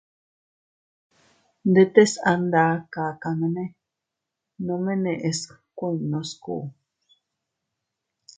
Ndetes a nda kakamene nome neʼes kuinnu sku.